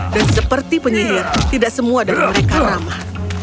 dan seperti penyihir tidak semua dari mereka ramah